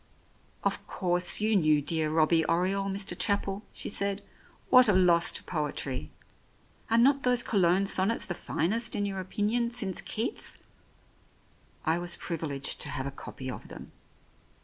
"Of course, you knew dear Robbie Oriole, Mr. Chapel," she said. "What a loss to poetry. Are not those Cologne sonnets the finest in your opinion since Keats? I was privileged to have a copy of them.